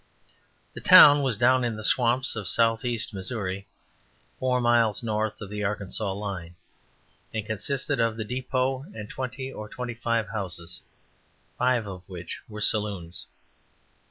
The town was down in the swamps of southeast Missouri, four miles north of the Arkansas line, and consisted of the depot and twenty or twenty five houses, five of which were saloons.